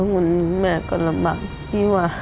ทุกวันแม่โครโลบักที่ว่า